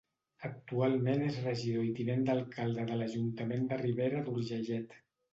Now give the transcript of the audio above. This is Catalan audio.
Actualment és regidor i tinent d'alcalde de l'Ajuntament de Ribera d'Urgellet.